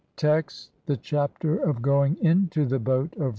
Text : (1) THE CHAPTER OF GOING INTO THE BOAT (2) OF RA.